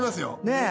ねえ。